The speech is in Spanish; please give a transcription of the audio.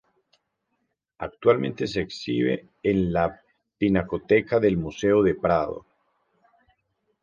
Actualmente se exhibe en la pinacoteca del Museo del Prado.